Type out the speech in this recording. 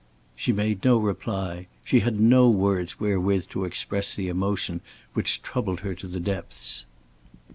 She made no reply. She had no words wherewith to express the emotion which troubled her to the depths.